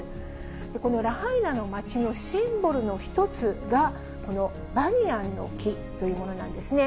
このラハイナの街のシンボルの一つが、このバニヤンの木というものなんですね。